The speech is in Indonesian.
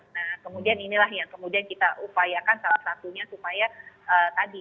nah kemudian inilah yang kemudian kita upayakan salah satunya supaya tadi